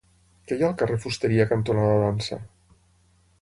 Què hi ha al carrer Fusteria cantonada Dansa?